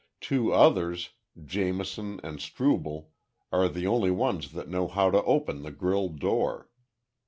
Two others Jamison and Strubel are the only ones that know how to open the grille door.